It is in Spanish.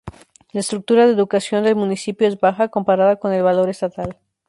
La estructura de educación del municipio es baja, comparada con el valor estatal.